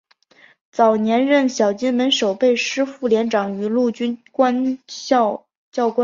早年任小金门守备师副连长与陆军官校教官。